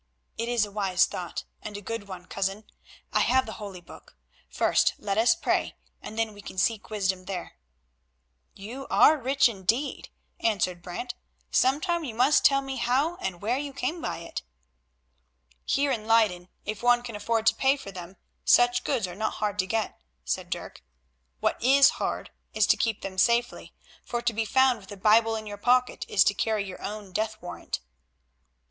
"It is a wise thought, and a good one, cousin. I have the Holy Book; first let us pray, and then we can seek wisdom there." "You are rich, indeed," answered Brant; "sometime you must tell me how and where you came by it." "Here in Leyden, if one can afford to pay for them, such goods are not hard to get," said Dirk; "what is hard is to keep them safely, for to be found with a Bible in your pocket is to carry your own death warrant."